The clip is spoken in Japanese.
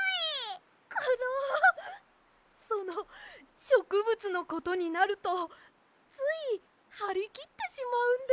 そのしょくぶつのことになるとついはりきってしまうんです。